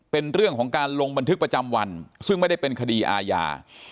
เป็นเรื่องของการลงบันทึกประจำวันซึ่งไม่ได้เป็นคดีอาญา